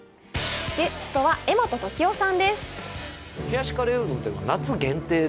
ゲストは柄本時生さんです。